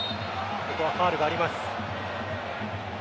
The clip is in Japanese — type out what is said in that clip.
ここはファウルがあります。